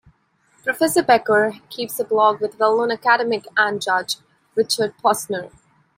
Professor Becker keeps a blog with well-known academic and judge, Richard Posner.